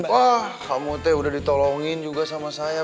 wah kamu teh udah ditolongin juga sama saya